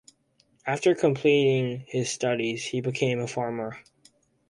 After completing his studies he became a farmer.